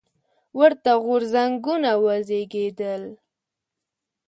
ورته غورځنګونه وزېږېدل.